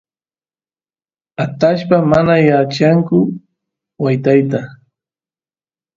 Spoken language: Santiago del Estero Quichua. atallpas mana yachanku wytayta